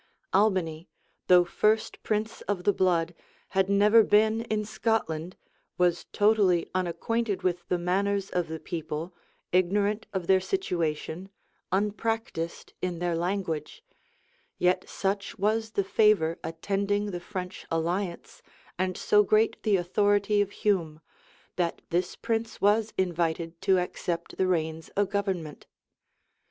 Albany, though first prince of the blood, had never been in Scotland, was totally unacquainted with the manners of the people, ignorant of their situation, unpractised in their language; yet such was the favor attending the French alliance, and so great the authority of Hume, that this prince was invited to accept the reins of government.